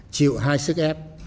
chịu hai sức ép